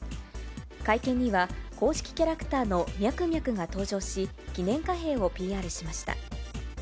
会見には、公式キャラクターのミャクミャクが登場し、記念貨幣をＰＲしました。